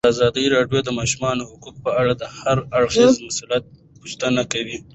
ازادي راډیو د د ماشومانو حقونه په اړه د هر اړخیزو مسایلو پوښښ کړی.